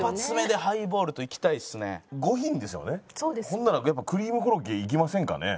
ほんならやっぱクリームコロッケいきませんかね？